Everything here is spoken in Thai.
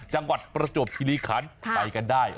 จังหวัดประจวบธิริคันไปกันได้